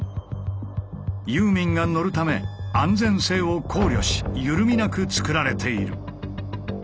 ユーミンが乗るため安全性を考慮し緩みなく作られている。